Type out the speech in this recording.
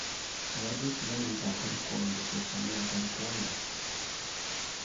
Obadde okimanyi nti akalikondo ke kamu na'kalikonda?